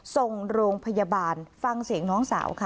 ส่งโรงพยาบาลฟังเสียงน้องสาวค่ะ